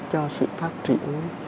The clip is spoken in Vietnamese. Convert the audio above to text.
cho sự phát triển